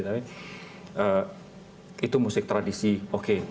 tapi itu musik tradisi oke